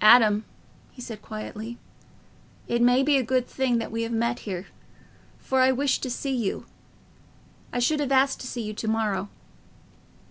"Adam," he said, quietly, "it may be a good thing that we have met here, for I wished to see you. I should have asked to see you to morrow."